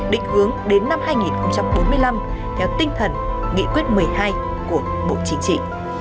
định hướng đến năm hai nghìn bốn mươi năm theo tinh thần nghị quyết một mươi hai của bộ chính trị